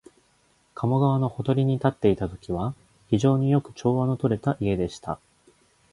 加茂川のほとりに建っていたときは、非常によく調和のとれた家でした